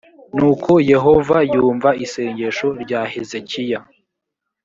nuko yehova yumva isengesho rya hezekiya